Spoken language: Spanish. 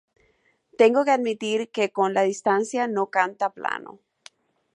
Tengo que admitir que con la distancia no canta plano.